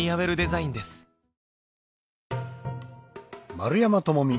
丸山智己